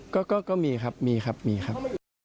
ก็มีครับ